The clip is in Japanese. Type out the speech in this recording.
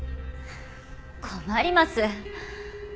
困ります！